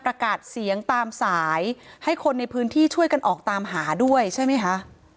ประกาศเสียงตามสายให้คนในพื้นที่ช่วยกันออกตามหาด้วยใช่ไหมคะ